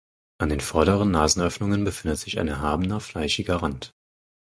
An den vorderen Nasenöffnungen befindet sich ein erhabener fleischiger Rand.